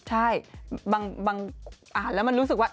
ใช่บางอ่านแล้วมันรู้สึกว่า